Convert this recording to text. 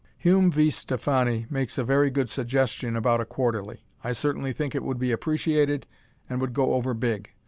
Hume V. Stephani makes a very good suggestion about a quarterly. I certainly think it would be appreciated and would go over big.